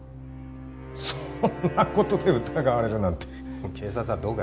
そんな事で疑われるなんて警察はどうかしてる。